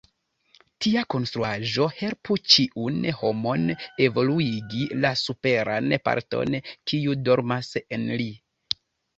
Tia konstruaĵo helpu ĉiun homon evoluigi la superan parton, kiu dormas en li.